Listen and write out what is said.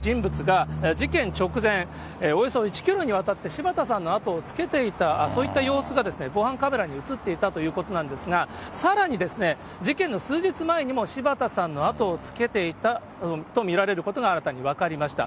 捜査関係者によりますと、服部容疑者は、服部容疑者とみられる人物が、事件直前、およそ１キロにわたって柴田さんの後をつけていた、そういった様子が防犯カメラに写っていたということなんですが、さらに、事件の数日前にも、柴田さんの後をつけていたと見られることが新たに分かりました。